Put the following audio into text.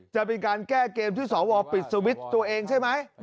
จะเป็นการแก้เกมที่สวปิดสวิตช์ตัวเองใช่ไหม